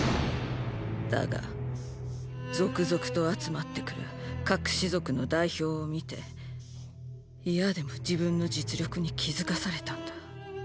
だが続々と集まってくる各氏族の代表を見ていやでも自分の実力に気付かされたんだ。